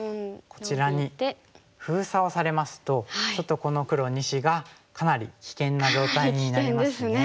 こちらに封鎖をされますとちょっとこの黒２子がかなり危険な状態になりますね。